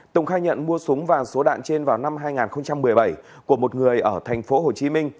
tùng khai nhận mua súng và số đạn trên vào năm hai nghìn một mươi bảy của một người ở thành phố hồ chí minh